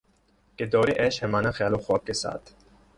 کہ دورِ عیش ہے مانا خیال و خواب کے ساتھ